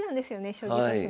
将棋指すの。